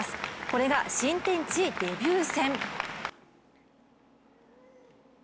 これが新天地デビュー戦。